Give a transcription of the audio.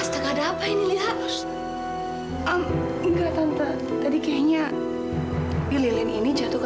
sampai jumpa di video selanjutnya